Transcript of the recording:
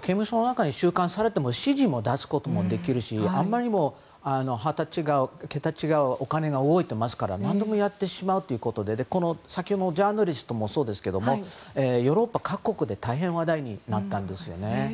刑務所の中に収監されても指示を出すこともできるしあまりにも桁が違うお金が動いていますから何でもやってしまうということで先ほどのジャーナリストもそうですがヨーロッパ各国で大変話題になったんですよね。